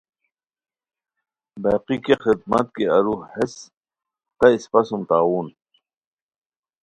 باقی کیہ خذمت کی ارو ہیس تہ اِسپہ سوم تعاون